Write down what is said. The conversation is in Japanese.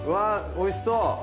おいしそう！